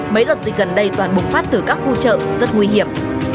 mấy luật dịch gần đây toàn bùng phát từ các khu chợ rất nguy hiểm